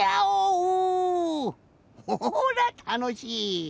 ほらたのしい！